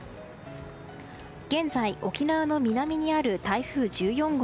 現在、沖縄の南にある台風１４号。